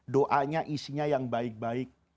doanya isinya yang baik baik